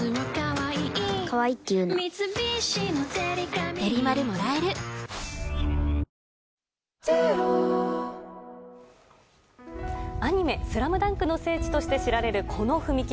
サントリー「金麦」アニメ「ＳＬＡＭＤＵＮＫ」の聖地として知られるこの踏切。